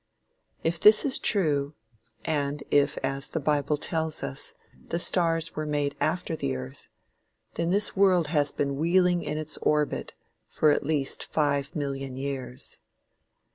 If this is true, and if as the bible tells us, the stars were made after the earth, then this world has been wheeling in its orbit for at least five million years.